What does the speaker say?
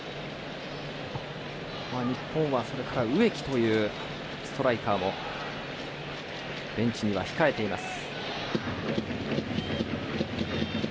日本は、それから植木というストライカーもベンチには控えています。